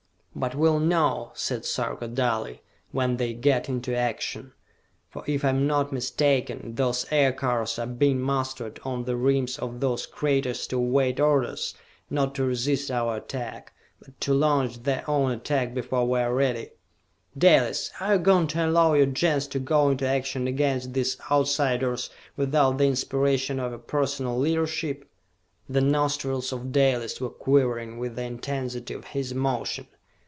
"But we'll know," said Sarka dully, "when they get into action. For if I am not mistaken, those Aircars are being mustered on the rims of those craters to await orders, not to resist our attack, but to launch their own attack before we are ready! Dalis, are you going to allow your Gens to go into action against these Outsiders, without the inspiration of your personal leadership?" The nostrils of Dalis were quivering with the intensity of his emotion.